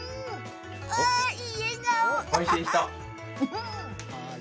いい笑顔。